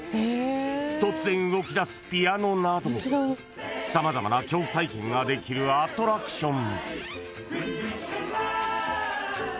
［突然動きだすピアノなど様々な恐怖体験ができるアトラクション］